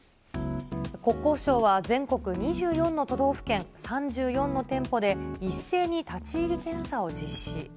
国交省は全国２４の都道府県、３４の店舗で一斉に立ち入り検査を実施。